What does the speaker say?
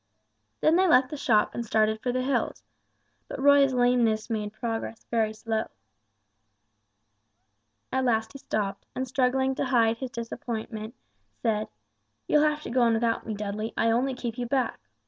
They left the shop and started for the hills, but Roy's lameness made progress very slow. At last he stopped, and struggling to hide his disappointment said, "You'll have to go on without me, Dudley. I only keep you back.